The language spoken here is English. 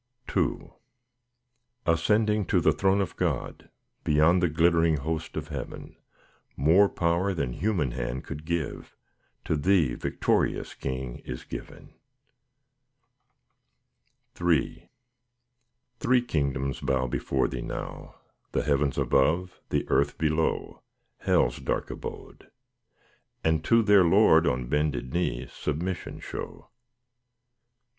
II Ascending to the throne of God, Beyond the glittering host of heaven, More power than human hand could give To Thee, victorious King, is given. III Three kingdoms bow before Thee now— The heavens above, the earth below, Hell's dark abode—and to their Lord, On bended knee, submission show.